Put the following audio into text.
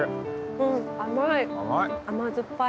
うん甘い。